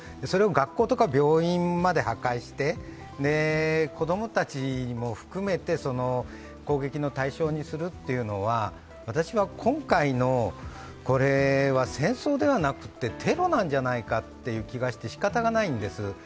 それを学校とか病院まで破壊して子供たちも含めて攻撃の対象にするというのは、私は今回のこれは戦争ではなくてテロなんじゃないかという気がしてしかたないんです。